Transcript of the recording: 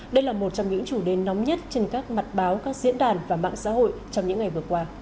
đây là một trong những chủ đề nóng nhất trên các mặt báo các diễn đàn và mạng xã hội trong những ngày vừa qua